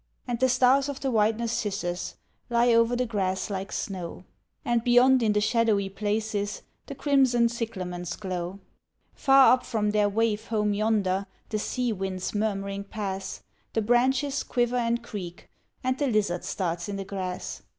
And the stars of the white narcissus lie over the grass like snow, And beyond in the shadowy places the crimson cyclamens grow; Far up from their wave home yonder the sea winds murmuring pass, The branches quiver and creak and the lizard starts in the grass.